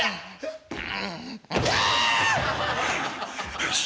よし。